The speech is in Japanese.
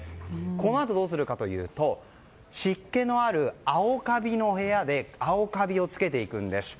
このあと、どうするかというと湿気のある青カビの部屋で青かびを付けていくんです。